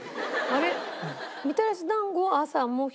あれ？